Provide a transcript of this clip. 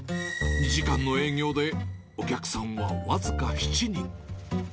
２時間の営業で、お客さんは僅か７人。